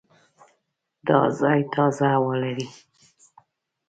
دا ځای تازه هوا لري.